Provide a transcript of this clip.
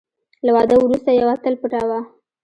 له واده وروسته یوه تل پټوه .